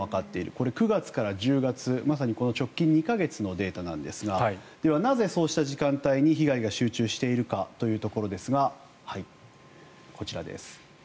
これは９月から１０月まさにこの直近２か月のデータですがでは、なぜそうした時間帯に被害が集中しているかということですがこちらです。